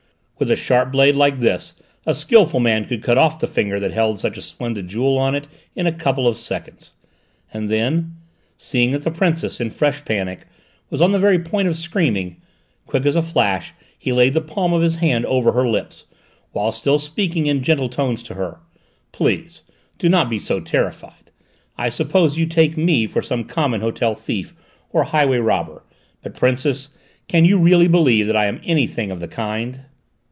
"With a sharp blade like this a skilful man could cut off the finger that had such a splendid jewel on it, in a couple of seconds," and then, seeing that the Princess, in fresh panic, was on the very point of screaming, quick as a flash he laid the palm of his hand over her lips, while still speaking in gentle tones to her. "Please do not be so terrified; I suppose you take me for some common hotel thief, or highway robber, but, Princess, can you really believe that I am anything of the kind?"